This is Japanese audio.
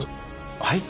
はい？